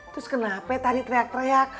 terus kenapa tani teriak teriak